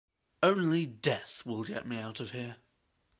Only death will get me out of here.